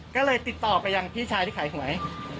ก็เลยติดต่อไปยังพี่ชายที่ขายหวย